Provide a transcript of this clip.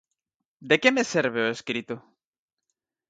De que me serve o escrito?